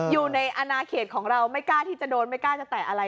อยู่ในอนาเขตของเราไม่กล้าที่จะโดนไม่กล้าจะแตะอะไร